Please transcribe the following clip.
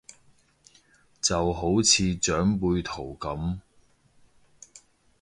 就好似長輩圖咁